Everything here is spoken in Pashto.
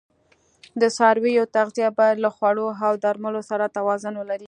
د څارویو تغذیه باید له خوړو او درملو سره توازون ولري.